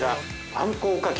◆あんこおかき？